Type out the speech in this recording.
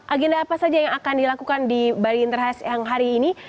agenda apa saja yang akan dilakukan di bali interhas yang hari ini